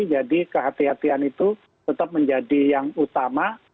jadi kehatian itu tetap menjadi yang utama